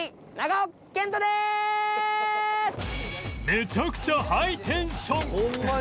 めちゃくちゃハイテンション！